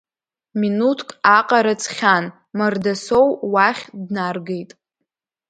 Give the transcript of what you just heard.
Минуҭк аҟара ҵхьан, Мардасоу уахь днаргеит.